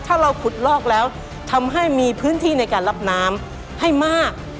ถ้าเราขุดลอกแล้วทำให้มีพื้นที่ในการรับน้ำให้มาก